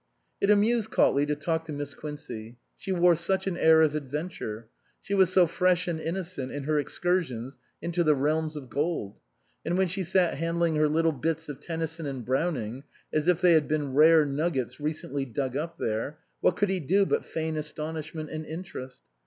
It amused Cautley to talk to Miss Quincey. She wore such an air of adventure ; she was so fresh and innocent in her excursions into the realms of gold ; and when she sat handling her little bits of Tennyson and Browning as if they had been rare nuggets recently dug up there, what could he do but feign astonishment and interest?